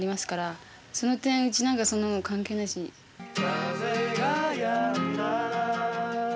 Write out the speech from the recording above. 「風がやんだら」